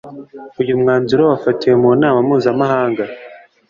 Uyu mwanzuro wafatiwe mu Nama Mpuzamahanga